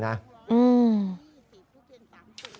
สงสารป้าทายเขา